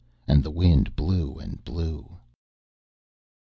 And the wind blew and blew.